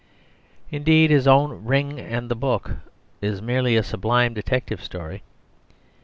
Indeed, his own Ring and the Book is merely a sublime detective story.